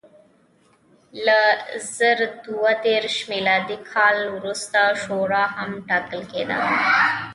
له زر دوه دېرش میلادي کال وروسته شورا هم ټاکل کېده.